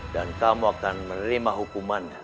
dan kamu akan menerima hukuman